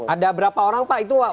ada berapa orang pak